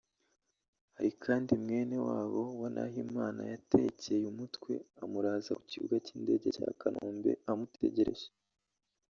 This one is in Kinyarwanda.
Hari kandi mwene wabo wa Nahimana yatekeye umutwe amuraza ku kibuga cy’indege cya Kanombe amutegereje